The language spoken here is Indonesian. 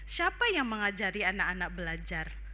siapa yang mengajari anak anak belajar